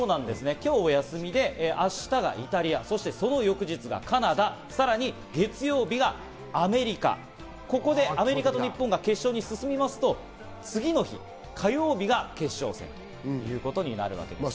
今日お休みで、明日がイタリア、その翌日がカナダ、さらに月曜日がアメリカ、ここでアメリカと日本が決勝に進みますと次の日、火曜日が決勝戦です。